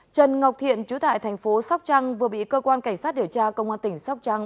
trần ngọc thiện chú tại thành phố sóc trăng vừa bị cơ quan cảnh sát điều tra công an tỉnh sóc trăng